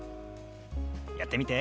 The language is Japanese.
やってみて。